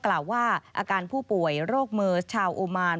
กล่าวว่าอาการผู้ป่วยโรคเมอร์ชาวอุมาน